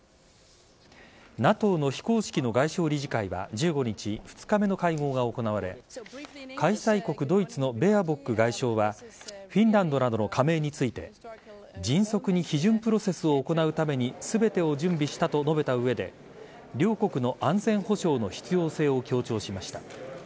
ＮＡＴＯの非公式の外相理事会は１５日、２日目の会合が行われ開催国・ドイツのベーアボック外相はフィンランドなどの加盟について迅速に批准プロセスを行うために全てを準備したと述べた上で両国の安全保障の必要性を強調しました。